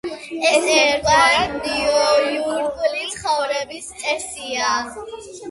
ეს ერთგვარად, ნიუ-იორკული ცხოვრების წესია.